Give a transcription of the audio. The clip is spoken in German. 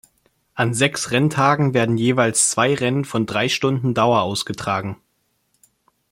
An sechs Renntagen werden jeweils zwei Rennen von drei Stunden Dauer ausgetragen.